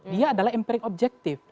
dia adalah empirik objektif